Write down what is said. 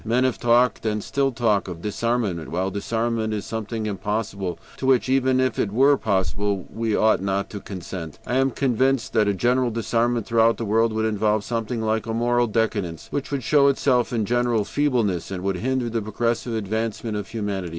"Men have talked, and still talk, of disarmament, while disarmament is something impossible, to which, even if it were possible, we ought not to consent. I am convinced that a general disarmament throughout the world would involve something like a moral decadence, which would show itself in general feebleness, and would hinder the progressive advancement of humanity.